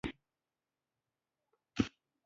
د دیني تکالیفو په ترسره کولو کې پاتې راغلی.